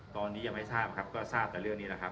ตอนนี้ยังไม่ทราบครับก็ทราบแต่เรื่องนี้แหละครับ